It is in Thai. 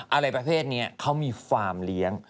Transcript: อะไรประเภทนี้เขามีฟาร์มเลี้ยง